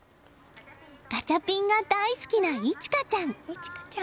ガチャピンが大好きな一樺ちゃん。